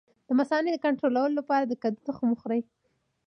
د مثانې د کنټرول لپاره د کدو تخم وخورئ